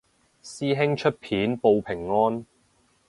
師兄出片報平安